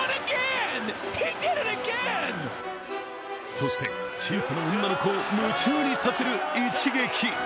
そして、小さな女の子を夢中にさせる一撃。